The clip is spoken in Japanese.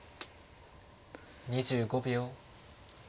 ２５秒。